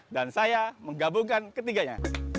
dan saya menggabungkan ketiganya